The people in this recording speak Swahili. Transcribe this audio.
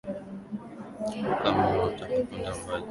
Kama unataka kwenda mbali nenda na wenzako